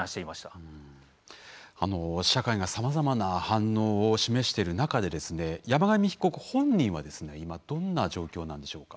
社会がさまざまな反応を示している中で山上被告本人は今どんな状況なんでしょうか。